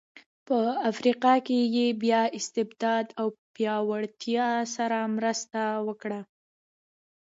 په افریقا کې یې بیا استبداد او پیاوړتیا سره مرسته وکړه.